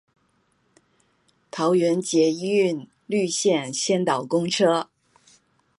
桃園捷運綠線先導公車